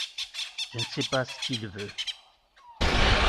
Je ne sais pas ce qu’il veut.